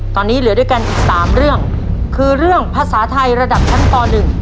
ตอนนี้เหลือด้วยกันอีก๓เรื่องคือเรื่องภาษาไทยระดับชั้นป๑